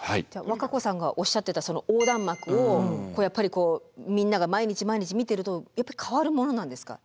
和歌子さんがおっしゃってたその横断幕をやっぱりこうみんなが毎日毎日見てるとやっぱり変わるものなんですか？